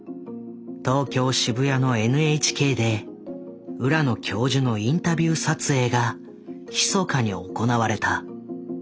東京渋谷のＮＨＫで浦野教授のインタビュー撮影がひそかに行われた。